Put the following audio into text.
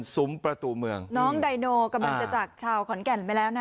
ซุ้มประตูเมืองน้องไดโนกำลังจะจากชาวขอนแก่นไปแล้วนะ